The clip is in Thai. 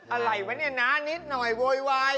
อะไรวะเนี่ยนะนิดหน่อยโวยวาย